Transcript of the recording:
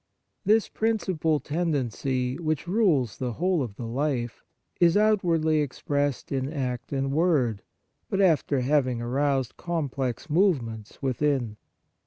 This principal tendency, which rules the whole of the life, is out wardly expressed in act and word, but after having aroused complex movements within.